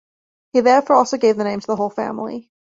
He therefore also gave the name to the whole family.